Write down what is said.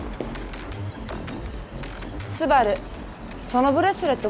スバルそのブレスレット